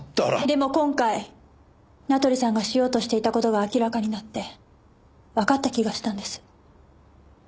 でも今回名取さんがしようとしていた事が明らかになってわかった気がしたんです。